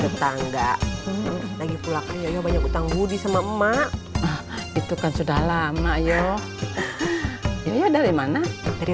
sebagai tetangga lagi pulaknya banyak utang budi sama emak itu kan sudah lama yo yo dari mana dari